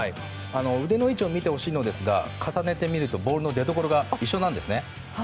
腕の位置を見てほしいのですが重ねて見るとボールの出どころが一緒なんですね。